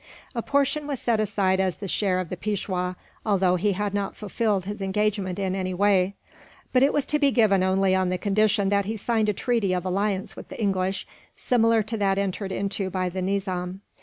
A portion was set aside as the share of the Peishwa, although he had not fulfilled his engagement in any way; but it was to be given only on the condition that he signed a treaty of alliance with the English, similar to that entered into by the Nizam.